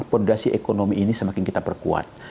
fondasi ekonomi ini semakin kita perkuat